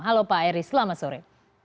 halo pak eri selamat sore